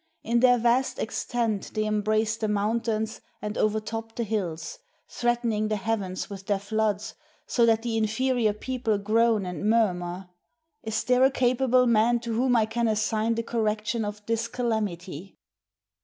In their vast extent they embrace the mountains and overtop the hills, threatening the heavens with their floods, so that the inferior people groan and mur mur. Is there a capable man to whom I can assign the correction of this calamity?